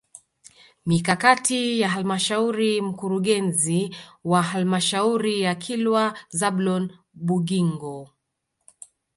Mikakati ya halmashauri Mkurugenzi wa Halmashauri ya Kilwa Zablon Bugingo